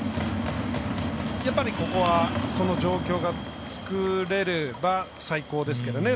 やっぱり、ここはその状況が作れれば最高ですけどね